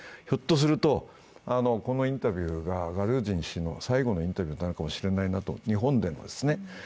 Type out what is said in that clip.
ひょっとすると、このインタビューがガルージン氏の最後のインタビューになるかもしれないなと、日本でのですね。